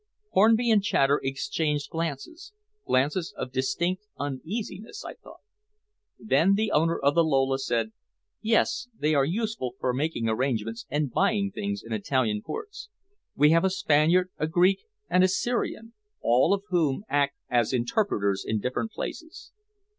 Hornby and Chater exchanged glances glances of distinct uneasiness, I thought. Then the owner of the Lola said "Yes, they are useful for making arrangements and buying things in Italian ports. We have a Spaniard, a Greek, and a Syrian, all of whom act as interpreters in different places."